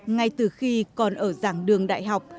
ngay từ khi còn ở giảng đường đại học